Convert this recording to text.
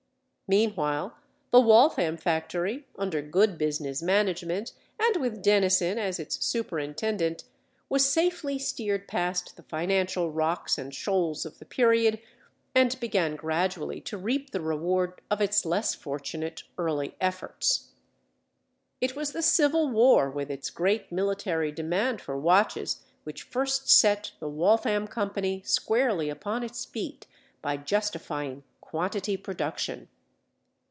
Meanwhile, the Waltham factory, under good business management and with Dennison as its superintendent, was safely steered past the financial rocks and shoals of the period, and began gradually to reap the reward of its less fortunate early efforts. It was the Civil War, with its great military demand for watches, which first set the Waltham Company squarely upon its feet by justifying quantity production.